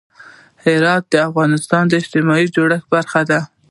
هرات د افغانستان د اجتماعي جوړښت برخه ده.